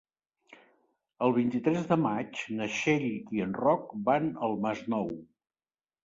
El vint-i-tres de maig na Txell i en Roc van al Masnou.